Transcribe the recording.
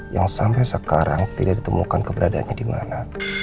yang sampai sekarang tidak ditemukan keberadaannya dimana